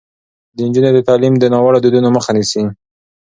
د نجونو تعلیم د ناوړه دودونو مخه نیسي.